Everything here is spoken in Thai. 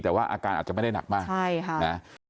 แต่ว่าอาการอาจจะไม่ได้หนักมาก